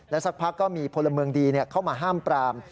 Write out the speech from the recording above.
สักพักก็มีพลเมืองดีเข้ามาห้ามปราม